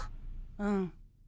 うん。